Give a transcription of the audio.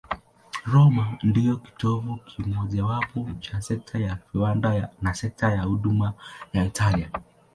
Roma ndiyo kitovu kimojawapo cha sekta ya viwanda na sekta ya huduma ya Italia.